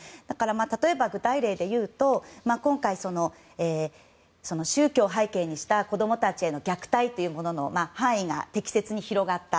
例えば、具体例でいうと宗教を背景にした子供たちへの虐待の範囲が適切に広がった。